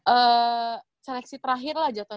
eee seleksi terakhir lah